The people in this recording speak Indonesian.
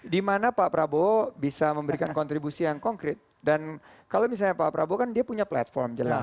dimana pak prabowo bisa memberikan kontribusi yang konkret dan kalau misalnya pak prabowo kan dia punya platform jelas